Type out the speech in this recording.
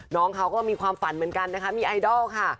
น้องเขาก็มีความฝันเหมือนกันนะคะมีไอดอลค่ะ